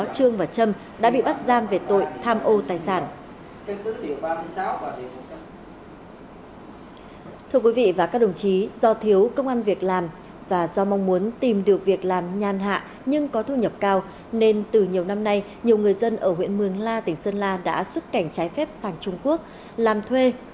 thưa quý vị và các đồng chí do thiếu công an việc làm và do mong muốn tìm được việc làm nhan hạ nhưng có thu nhập cao nên từ nhiều năm nay nhiều người dân ở huyện mường la tỉnh sơn la đã xuất cảnh trái phép sang trung quốc làm thuê